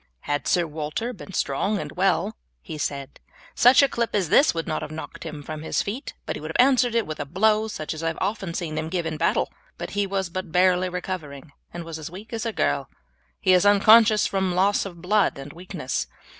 "Had Sir Walter been strong and well," he said, "such a clip as this would not have knocked him from his feet, but he would have answered it with a blow such as I have often seen him give in battle; but he was but barely recovering and was as weak as a girl. He is unconscious from loss of blood and weakness.